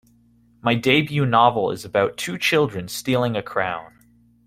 My debut novel is about two children stealing a crown.